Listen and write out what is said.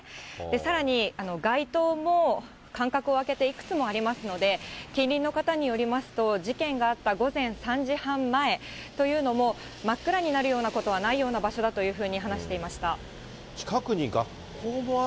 さらに街灯も間隔を空けていくつもありますので、近隣の方によりますと、事件があった午前３時半前というのも、真っ暗になるようなことはないような場所だと話していました。